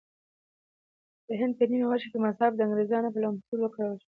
د هند په نیمه وچه کې مذهب د انګریزانو په لمسون وکارول شو.